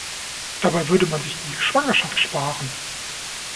Dabei würde man sich die Schwangerschaft sparen.